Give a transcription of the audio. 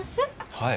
はい。